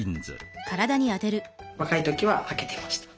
若い時ははけてました。